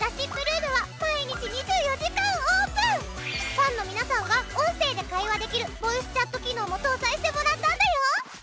ファンの皆さんが音声で会話できるボイスチャット機能も搭載してもらったんだよ！